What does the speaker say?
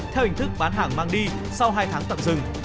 theo hình thức bán hàng mang đi sau hai tháng tạm dừng